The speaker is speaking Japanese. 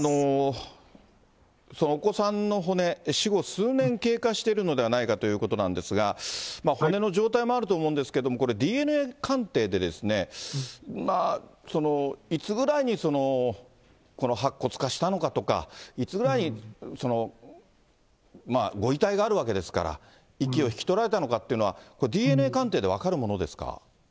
お子さんの骨、死後数年経過しているのではないかということなんですが、骨の状態もあると思うんですけど、これＤＮＡ鑑定で、いつぐらいに、この白骨化したのかとか、いつぐらいに、ご遺体があるわけですから、息を引き取られたのかというのは、これＤＮＡ鑑定で分かるものですか？